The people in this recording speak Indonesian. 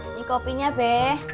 ini kopinya be